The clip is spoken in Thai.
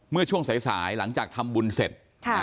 เมื่อช่วงสายหลังจากทำบุญเสร็จ